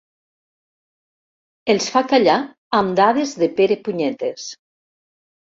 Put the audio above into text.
Els fa callar amb dades de perepunyetes.